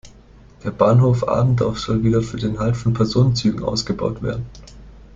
Der Bahnhof Adendorf soll wieder für den Halt von Personenzügen ausgebaut werden.